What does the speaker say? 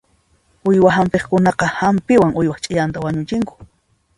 Uywa hampiqkunaqa hampiwan uywaq ch'iyantaqa wañuchinku.